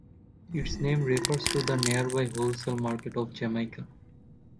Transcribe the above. Its name refers to the nearby wholesale market of Jamaica.